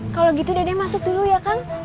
kalau gitu dede masuk dulu ya kang maaf